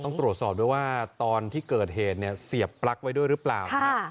ต้องตรวจสอบด้วยว่าตอนที่เกิดเหตุเนี่ยเสียบปลั๊กไว้ด้วยหรือเปล่า